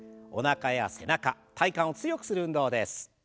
おなかや背中体幹を強くする運動です。